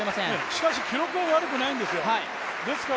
しかし記録は悪くないんですよ。